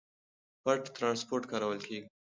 پټ ترانسپورت کارول کېږي.